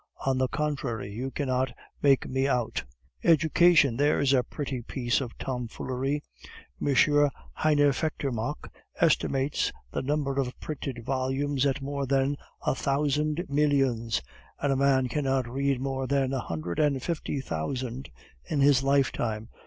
"On the contrary, you cannot make me out." "Education, there's a pretty piece of tomfoolery. M. Heineffettermach estimates the number of printed volumes at more than a thousand millions; and a man cannot read more than a hundred and fifty thousand in his lifetime.